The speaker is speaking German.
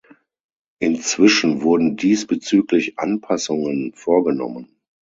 Inzwischen wurden diesbezüglich Anpassungen vorgenommen.